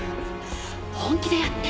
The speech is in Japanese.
本気でやって！